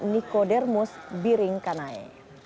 niko dermus biring kanae